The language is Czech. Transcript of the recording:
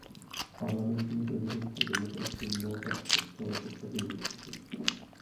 Parlamentní a prezidentskou demokracii naopak popsal jako tvrdou diktaturu.